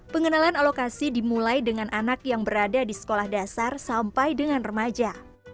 pengenalan alokasi dimulai dengan anak yang berada di sekolah dasar sampai dengan remaja